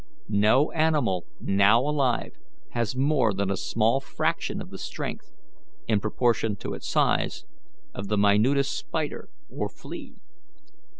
No animal now alive has more than a small fraction of the strength, in proportion to its size, of the minutest spider or flea.